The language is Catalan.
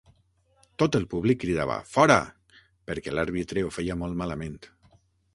Tot el públic cridava: fora!, perquè l'àrbitre ho feia molt malament.